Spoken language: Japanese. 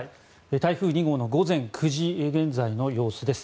台風２号の午前９時現在の様子です。